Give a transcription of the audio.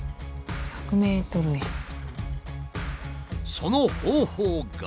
その方法が。